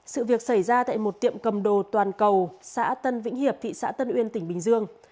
sự việc xảy ra tại một tiệm cầm đồ toàn cầu xã tân vĩnh hiệp thị xã tân uyên tỉnh bình dương